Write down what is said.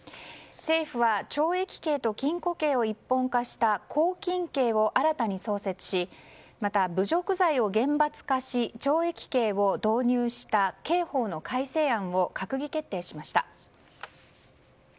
政府は懲役刑と禁錮刑を一本化した拘禁刑を新たに創設しまた、侮辱罪を厳罰化し懲役刑を導入した刑法の改正案を閣議決定しました。